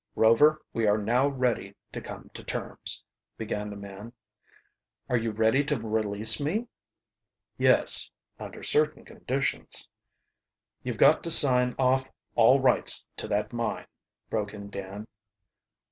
"Rover, we are now ready to come to terms," began the man. "Are you ready to release me?" "Yes under certain conditions." "You've got to sign off all rights to that mine," broke in Dan.